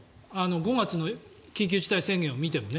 ５月の緊急事態宣言を見てもね。